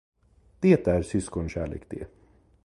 Det är syskonkärlek, det!